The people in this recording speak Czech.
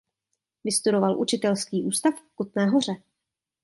Vystudoval učitelský ústav v Kutné Hoře.